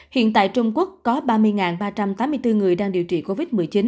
hiện tại trung quốc có ba mươi ba trăm tám mươi bốn người đang điều trị covid một mươi chín